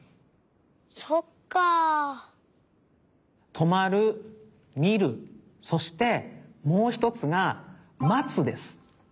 「とまる」「みる」そしてもうひとつが「まつ」です。